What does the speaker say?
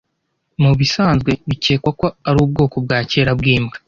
Mubisanzwe bikekwa ko ari ubwoko bwa kera bwimbwa